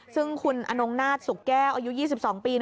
ซึ่งคุณอนงนาฏสุขแก้วอายุ๒๒ปี